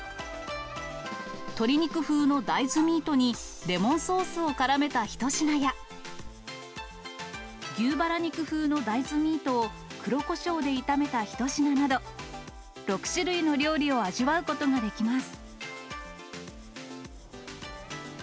鶏肉風の大豆ミートに、レモンソースをからめた一品や、牛バラ肉風の大豆ミートを黒こしょうで炒めた一品など、６種類の料理を味わうことができます。